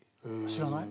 知らない？